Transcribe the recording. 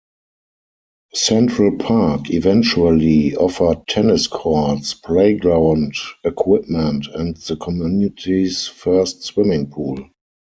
Central Park eventually offered tennis courts, playground equipment, and the community's first swimming pool.